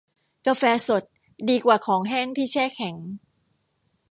กาแฟสดดีกว่าของแห้งที่แช่แข็ง